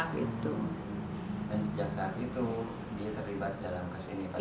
dan sejak saat itu dia terlibat dalam kasus ini